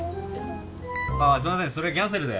あすみませんそれキャンセルで。